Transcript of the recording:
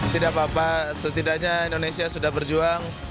tidak apa apa setidaknya indonesia sudah berjuang